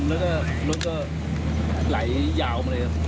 แล้วก็รถก็ไหลยาวมาเลยครับ